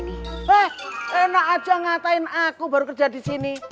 mbah enak aja ngatain aku baru kerja di sini